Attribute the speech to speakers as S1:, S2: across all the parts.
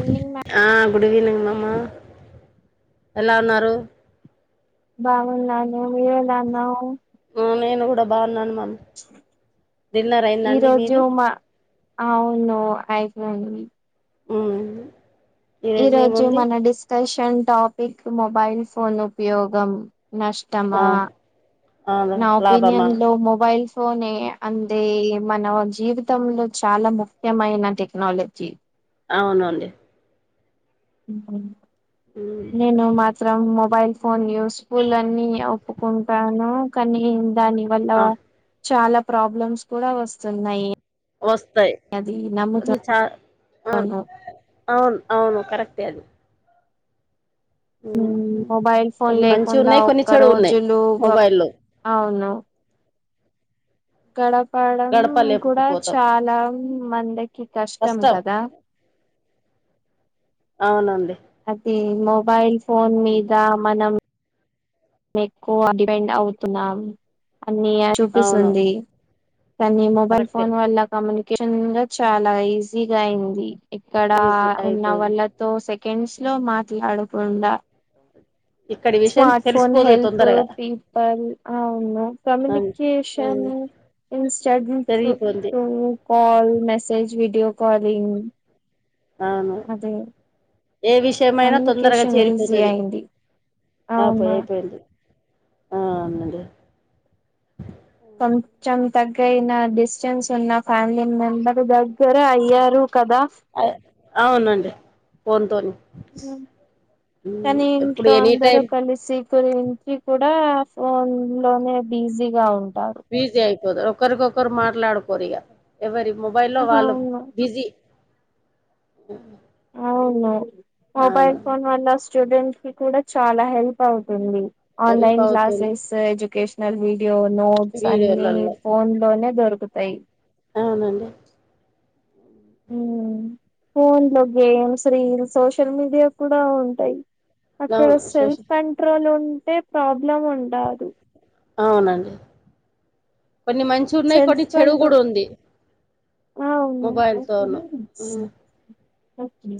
S1: Ending మ
S2: ఆ good evening మామ్మ ఎలా ఉన్నారు
S1: బాగున్నాను నీవెలా ఉన్నావు
S2: నేను కూడా బాగున్నానమా
S1: ఈరోజు
S2: మీది
S1: మా అవును అయి అవును
S2: ఉహు
S1: ఈరోజు మన డిస్కర్షన్ టాపిక్ మొబైల్ ఫోన్ ఉపయోగం
S2: ఆ
S1: నష్టమా
S2: అవును
S1: నా
S2: లాభమా
S1: ఒపీనియన్లో మొబైల్స్ ఫోనే అంటే మన జీవితంలో చాలా ముఖ్యమైన టెక్నాలజీ
S2: అవునండి మ్మ్.
S1: నేను మాత్రం మొబైల్ ఫోన్ యూస్ఫుల్ అన్ని ఒప్పుకుంటాను కానీ దాని వల్ల
S2: ఆ,
S1: చాలా ప్రాబ్లమ్స్ కూడా వస్తున్నాయి
S2: వస్తాయ్
S1: అది
S2: కొన్ని
S1: నమ్ముతున్నాను
S2: చా అవును అవును అవును కరెక్టే అది మ్మ్.
S1: మొబైల్ ఫోన్
S2: కొన్ని మంచి
S1: లేకుండా
S2: ఉన్నాయి కొన్ని
S1: ఒక్క
S2: చెడు ఉన్నాయి
S1: రోజులు
S2: మొబైల్లో
S1: అవును గడపడం కూడా
S2: గడపలేపకపోతాం
S1: చాలా మంది కష్టం కదా
S2: అవునండి
S1: అది మొబైల్ ఫోన్
S2: మ్మ్.
S1: మీద మనం మే ఎక్కువ డిపెండ్ అవుతున్నాం అన్ని
S2: అవును
S1: చూపిస్తుంది కానీ మొబైల్
S2: కరెక్టే
S1: ఫోన్ వల్ల కమ్యూనికేషన్ గా చాలా ఈజీగా అయింది ఇక్కడ
S2: ఈజీ
S1: ఉన్న
S2: అయిపోయింది
S1: వాళ్లతో సెకండ్స్ లో మాట్లాడకుండా
S2: ఇక్కడి విషయ
S1: స్మార్ట్ ఫోన్ హెల్ప్ పీపల్ ఆవును
S2: అవును
S1: కమ్యనికేషన్
S2: అవును పెరిగిపోంది
S1: ఇన్స్టడీర్రూ కాల్ మెసేజ్ విడియో కాలింగ్
S2: అవును
S1: అదే
S2: ఏ విషయమైనా తొందరగా
S1: కమ్యూనికేషన్ ఈజీ
S2: చేరిపోతది
S1: అయింది
S2: ఆ
S1: అవును
S2: పోయిఅయిపోయింది ఆ అనండి
S1: కొంచం తగ్గయిన డిస్టెన్స్ ఉన్న ఫ్యామిలీ మెంబర్ దగ్గర అయ్యారు కదా
S2: అ అవునండి ఫోన్ తోని
S1: కాని
S2: ఇప్పుడు
S1: ఇంట్లో
S2: ఎనీ
S1: అందరు
S2: టైం
S1: కలిసి గురించి కూడా ఫోన్ లోనే బిజీగా ఉం
S2: బీజీ అయికద ఒకరికి ఒకరు మాట్లాడుకోరు ఇగ ఎవరి మొబైల్లో వాళ్ళు
S1: అవును
S2: బిజీ
S1: అవును మొబైల్
S2: అవును
S1: ఫోన్ వల్ల స్టూడెంట్ కూడా చాలా హెల్ప్ అవుతుంది
S2: హెల్ప్
S1: ఆన్లైన్
S2: అవుతుంది
S1: క్లాసెస్ ఎడ్యుకేషనల్ వ వీడియో నోట్స్ అన్ని
S2: వీడియోలల్లో
S1: ఫోన్ లోనే దొరుకుతాయి
S2: అవునండి
S1: ఉమ్ ఫోన్ లో గేమ్స్ రీల్స్ సోషల్ మీడియా కూడా ఉంటాయి అక్కడ
S2: అవును
S1: సెల్ఫ్
S2: సోషల్
S1: కంట్రోల్ ఉంటే ప్రాబ్లం ఉండదు
S2: అవునండి కొన్ని మంచి ఉన్నాయి కొన్ని
S1: సెల్ఫ్
S2: చెడు కూడా
S1: కంట్రోల్
S2: ఉంది
S1: అవును
S2: మొబైల్ తోను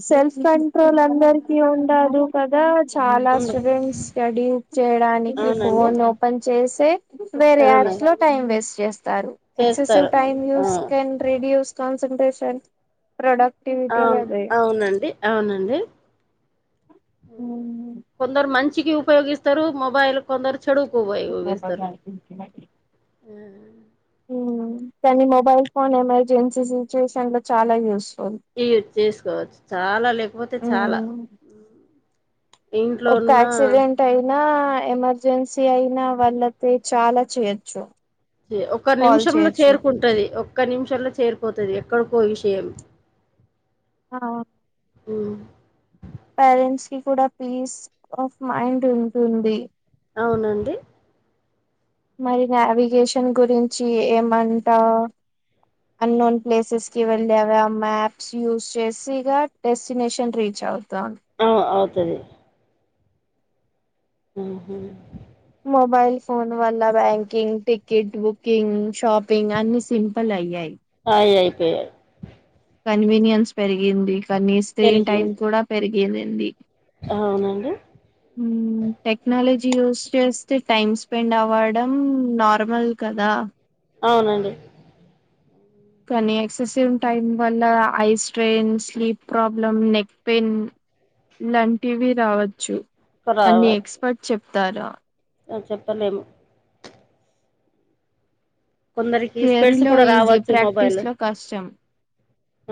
S1: సెల్ఫ్ కంట్రోల్ అందరికి ఉండదు కదా చాలా
S2: ఉండు
S1: స్టూడెంట్స్ స్టడీ చేయడానికి
S2: అవునండి
S1: ఫోన్ ఓపెన్ చేసే వేరే
S2: అవును
S1: యాప్ లో టైమ్ వేస్ట్ చేస్తారు ఎక్సెసివ్
S2: చేస్తారు
S1: టైమ్
S2: ఆ
S1: యూస్ కం కాసెరేషన్ ప్రొడక్ట్
S2: ఆహ్ అవునండి అవునండి
S1: ఉమ్
S2: కొందరు మంచికి ఉపయోగిస్తారు మొబైల్ కొందరు చెడువుకు ఉపయోగిస్తారు
S1: కానీ మొబైల్ ఫోన్ ఎమర్జెన్సీ చేస చాలా యూస్
S2: ఈ చేసుకోవచ్చు చాలా లేకపోతే చాలా ఇంట్లో
S1: ఒక
S2: ఉన్న
S1: ఆక్సిడెంట్ అయినా ఎమర్జెన్సీ అయిన వళ్లకి చాలా చేయొచ్చు
S2: ఒక
S1: కాల్
S2: నిమిషంలో
S1: చేయొచ్చు
S2: చేరుకుంటది ఒక్క నిమిషంలో చేరిపోతుంది ఎక్కడికో విషయం
S1: ఆహ్
S2: ఉమ్
S1: పేరెంట్స్ కి కూడా పీస్ ఆఫ్ మైండ్ ఉంటుంది
S2: అవునండి
S1: మరి నావిగేషన్ గురించి ఏమంటా అన్నోన్ ప్లేసెస్ కి వెళ్ళే ఆమె మ్యాప్స్ యూస్ చేసి ఇ డెస్టినేషన్ రీచ్ అవుత
S2: ఆహ్ అవుతుంది హుహ్
S1: మోబైల్ ఫోన్ వాల్ళ banking ticket booking shopping అన్ని సింపుల్ అయ్యాయి
S2: ఉమ్
S1: కన్వీనియన్స్ పెరిగింది కానీ స్క్రీన్ టైమ్
S2: పెరిగింది
S1: కూడా పెరిగిందిడి
S2: అవునండి
S1: ఉమ్ టెక్నలోజీ స్ జస్ట్ టైమ్ స్పెండ్ అవ్వడం నార్మల్ కదా
S2: అవునండి
S1: కానీ ఎక్సెసివ్ టైం వల్ల ఐ స్ట్రెయిన్కి ప్రాబ్లం నెక్ పెయిన్ ఇలాంటివి రావచ్చు అన్ని
S2: రావచ్చు
S1: ఎక్స్పర్ట్ చెప్తారా
S2: చెప్పలేము కొందరికి స్పెడ్స్
S1: థియరీలో
S2: కూడా
S1: ఈజీ
S2: రావచ్చు మొబైల్
S1: ప్రాక్టీస్ లో కష్టం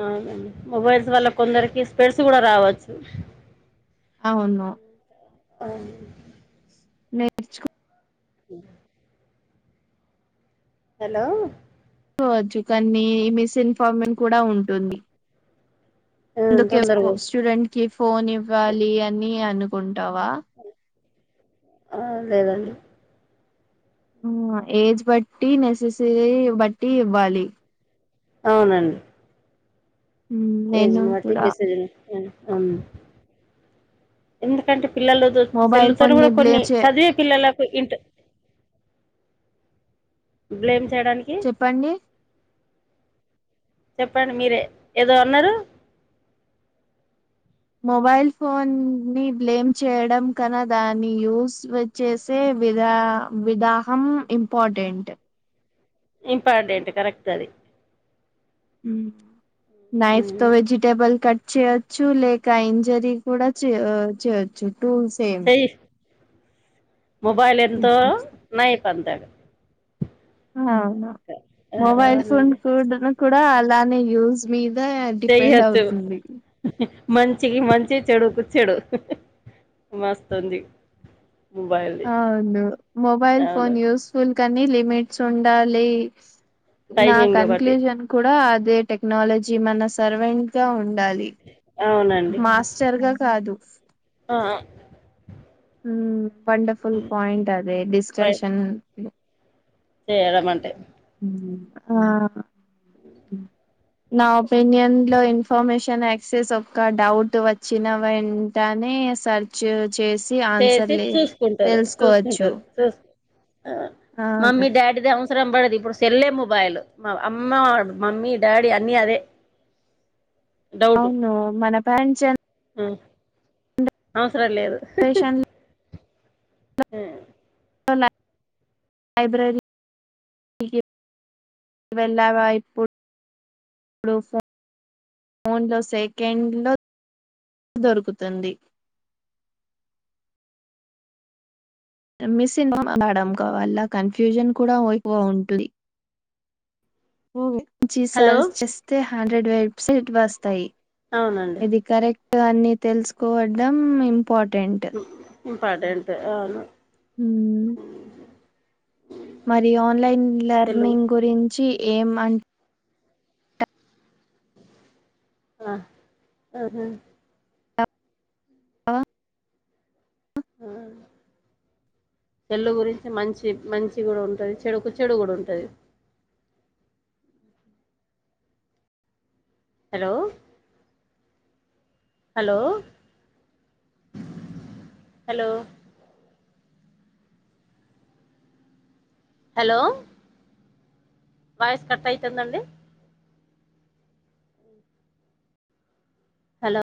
S2: అవునండి మొబైల్స్ వల్ల కొందరికి స్పెడ్స్ కూడా రావచ్చు
S1: అవును
S2: ఆహ్
S1: నేర్చుకో
S2: అ హలో
S1: కోవచ్చు కాన్ మీ మిస్ఇన్ఫార్మషన్ కూడ ఉంటుంది
S2: ఆ,
S1: అందుకే ఫొ
S2: తొందరగా
S1: స్టూడెంట్ కి ఫోన్ ఇవ్వాలి అని అను టవా
S2: ఆ లేదండి
S1: ఆ ఏజ్ బట్టి నెససరీ బట్టి ఇవ్వాలి
S2: ఔనన్
S1: ఉమ్,
S2: ఏజ్
S1: నేను
S2: ని వట్టి
S1: కూడా
S2: [unintelligible] ఎందుకంటే పిల్లలతో
S1: మొబైల్
S2: చెల్లుతారు
S1: ఫోన్
S2: కూడా
S1: ని
S2: కొన్ని
S1: బ్లేమ్ చే
S2: చదివే పిల్లలకు ఇంటి బ్లేమ్ చేయడానికి
S1: చెప్పండి
S2: చెప్పండి మీరె ఏదో అన్నరు
S1: మొబైల్ ఫోన్ ని బ్లేమ్ చేయడం కన్నా దాన్ని యూస్ వ చేేసే విదా విదాహం ఇంపార్టెంట్
S2: ఇంపార్టెంట్ కరెక్ట్ అది
S1: నైఫ్తో
S2: ఉమ్.
S1: వెజిటెబల్ కట్ చే చ్చు లేక ఇంజరీ కూడ చేయొ చేయొచ్చు టూల్ సేమ్
S2: చెయ్యి మొబైల్ ఎంతో నయి పంతగ
S1: ఆహ మొబైల్ ఫోన్
S2: అవునండి
S1: కూడా అలానే యూజ్ మీ
S2: సేయచ్చు మంచికి మంచి చెడుకు చెడు మస్త్ ఉంది
S1: ఔను మొబైల్
S2: అవును
S1: ఫోన్ యూస్ఫుల్ కనీ లిమిట్స్ ఉండాలి నా
S2: టైమింగ్ ఒకటి
S1: కన్క్లూజన్ కూడా అదే టెక్నాలజీ మన సర్వెంట్ గా ఉండాలి మాస్టర్గా కాదు
S2: అఆ
S1: వండఫుల్ పాయింట్ అదే
S2: పై
S1: డిస్కషన్
S2: చేయడం అంటే
S1: ఆ నా ఒపీనియన్ లో ఇన్ఫర్మేషన్ యాక్సెస్ ఒక క డౌట్ వచ్చిన వెంటనే సర్చ్
S2: చేసి చూస్కుంటరు
S1: తెలుసుకోవచ్చు
S2: చూస్కుంటరు చూస్ అ
S1: అవును
S2: మమ్మీ డాడీ ద అ అవసరం పడదు ఇప్పుడు సెల్లే మొబైల్లు మా అమ్మ మమ్మీ డాడీ అన్ని అదే
S1: ఔను మన పేరెంట్స్
S2: అ
S1: జనరేషన్
S2: అవసరం లేదు హు
S1: ల లైబ్రరీ వెల్లావ [unintelligible] ఫోన్ లో సెకండ్ లో దొరుకుతుంది
S2: అ
S1: మిస్న్ మడం కావల్ల కన్ఫ్యూజన్ కూడా ఎక్కువ ఉంటది జీ
S2: హలో
S1: సార్ చేస్తే హండ్రెడ్ వెబ్ సైట్ వస్తాయి
S2: అవునండి
S1: ఇది కరెక్ట్ అని తెలుస్కోవడం ఇంపార్టెంట్
S2: ఇంపార్టెంట్ ఆ
S1: ఉ మరి ఆన్లైన్
S2: తెలుగు
S1: లర్నింగ్ గురించి ఏం అన్
S2: ఆ ఆహా
S1: అ అ
S2: ఆ చెల్లు గురించి మంచి మంచి కూడా ఉంటది చెడుకు చెడు కూడా ఉంటది హలో హలో హలో హలో వయసు కట్ అయితందండి హలో